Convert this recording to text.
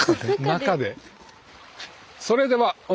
中で。